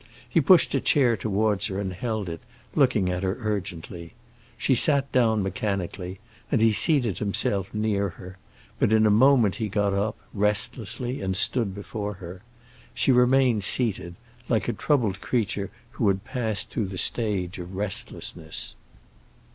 He pushed a chair towards her and held it, looking at her urgently. She sat down, mechanically, and he seated himself near her; but in a moment he got up, restlessly, and stood before her. She remained seated, like a troubled creature who had passed through the stage of restlessness.